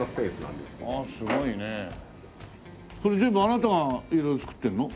それ全部あなたが色々造ってるの？